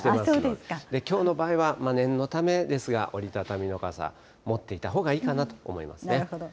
きょうの場合は、念のためですが、折り畳みの傘、持っていたほうがいいかなと思いますね。